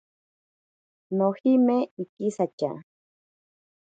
Nojime ikisatya.